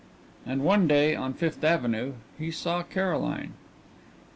And one day on Fifth Avenue he saw Caroline.